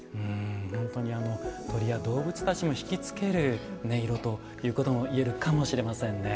本当にあの鳥や動物たちも引き付ける音色ということも言えるかもしれませんね。